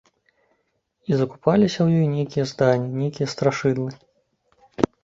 І закупаліся ў ёй нейкія здані, нейкія страшыдлы.